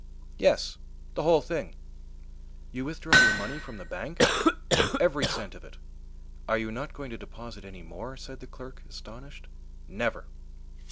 "Yes, the whole thing." "You withdraw your money from the bank?" "Every cent of it." "Are you not going to deposit any more?" said the clerk, astonished. "Never."